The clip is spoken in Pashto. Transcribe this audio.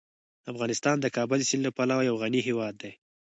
افغانستان د کابل سیند له پلوه یو غني هیواد دی.